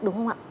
đúng không ạ